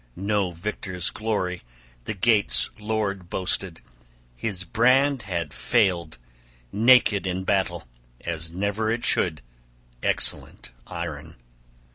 No victor's glory the Geats' lord boasted; his brand had failed, naked in battle, as never it should, excellent iron!